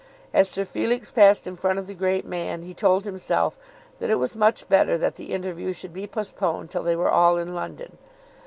As Sir Felix passed in front of the great man he told himself that it was much better that the interview should be postponed till they were all in London.